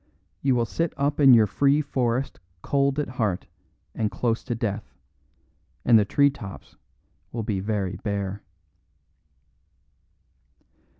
You will sit up in your free forest cold at heart and close to death, and the tree tops will be very bare."